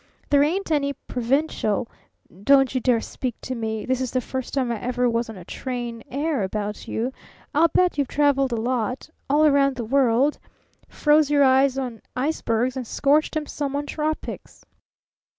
There ain't any provincial 'Don't you dare speak to me this is the first time I ever was on a train air about you! I'll bet you've traveled a lot all round the world froze your eyes on icebergs and scorched 'em some on tropics."